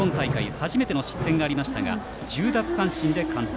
今大会、初の失点がありましたが１０奪三振で完投。